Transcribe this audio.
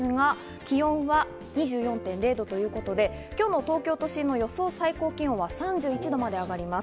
気温は２４．０度ということで今日の東京都心の最高気温は３１度まで上がります。